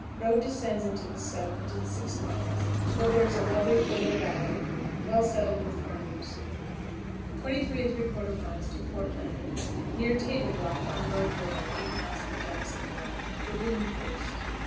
Road descends into the settlements in six miles, where there is a lovely fertile valley, well settled with farmers. 23 3/4. Fort Lane. Near "Table Rock," on Rogue River, eight miles from Jacksonville. Dragoon post.